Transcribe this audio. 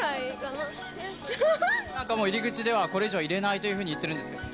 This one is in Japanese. なんか入り口ではもうこれ以上入れないというふうに言ってるんですけど。